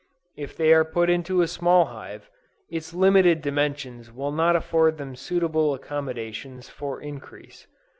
If they are put into a small hive, its limited dimensions will not afford them suitable accommodations for increase.